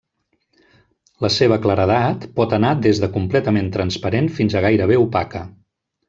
La seva claredat pot anar des de completament transparent fins a gairebé opaca.